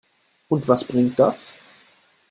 Und was bringt das?